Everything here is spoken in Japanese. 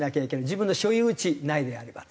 自分の所有地内であれば。